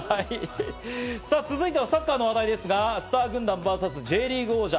さぁ、続いてはサッカーの話題ですが、スター軍団ｖｓＪリーグ王者。